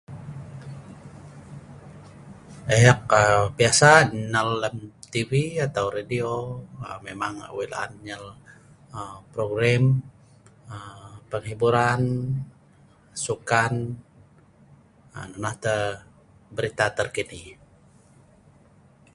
Eek aa biasa eek nnal lem TV atau Radio memang eek wei la'an nnyel program aa penghiburan, sukan, nonoh tah berita terkini.